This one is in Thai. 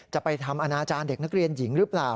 จะไปทำอนาจารย์เด็กนักเรียนหญิงหรือเปล่า